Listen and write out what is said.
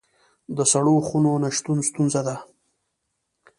د سړو خونو نشتون ستونزه ده